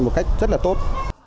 một cách rất là tốt